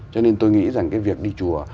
cho nên tôi nghĩ rằng cái việc đi chùa